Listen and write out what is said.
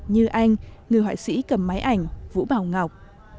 như anh người họa sĩ cầm máy ảnh vũ bảo ngọc